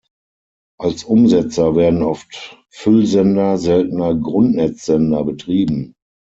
Als Umsetzer werden oft Füllsender, seltener Grundnetzsender betrieben.